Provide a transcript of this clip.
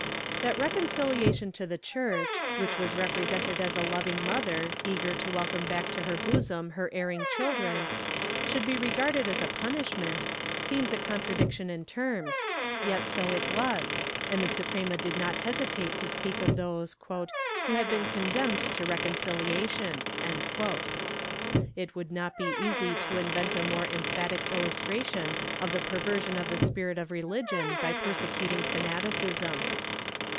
That reconciliation to the Church, which was represented as a loving mother, eager to welcome back to her bosom her erring children, should be regarded as a punishment, seems a contra diction in terms, yet so it was, and the Suprema did not hesitate to speak of those "who had been condemned to reconciliation."^ It would not be easy to invent a more emphatic illustration of the perversion of the spirit of religion by persecuting fanaticism.